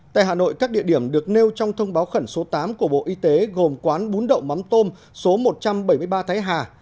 tại hà nội các địa điểm được nêu trong thông báo khẩn số tám của bộ y tế gồm quán bún đậu mắm tôm số một trăm bảy mươi ba thái hà